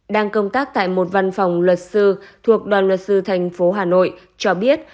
đang công tác tại một văn phòng luật sư thuộc đoàn luật sư thành phố hà nội cho biết